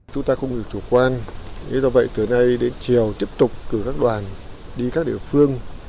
chúng ta không được chủ quan do vậy từ nay đến chiều tiếp tục cử các đoàn đi các địa phương